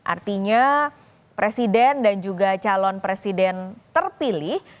artinya presiden dan juga calon presiden terpilih